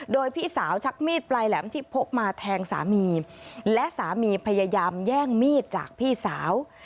โดยพี่สาวชักมีดปลายแหลมที่พกมาแทงสามีและสามีพยายามแย่งมีดจากพี่สาว